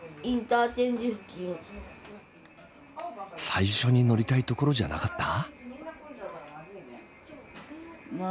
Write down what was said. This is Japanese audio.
最初に乗りたい所じゃなかった？